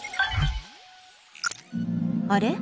あれ？